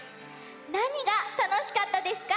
なにがたのしかったですか？